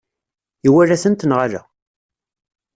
Iwala-tent neɣ ala?